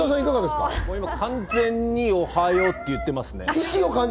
これは完全におはようって言ってますね。